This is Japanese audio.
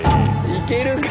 いけるか？